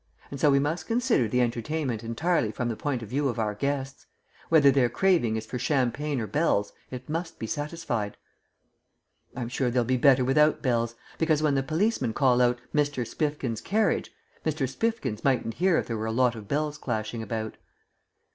And so we must consider the entertainment entirely from the point of view of our guests. Whether their craving is for champagne or bells, it must be satisfied." "I'm sure they'll be better without bells. Because when the policemen call out 'Mr. Spifkins' carriage,' Mr. Spifkins mightn't hear if there were a lot of bells clashing about."